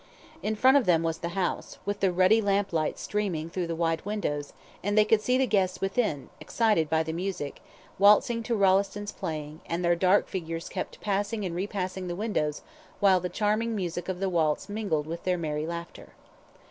In front of them was the house, with the ruddy lamplight streaming through the wide windows, and they could see the guests within, excited by the music, waltzing to Rolleston's playing, and their dark figures kept passing and re passing the windows while the charming music of the waltz mingled with their merry laughter.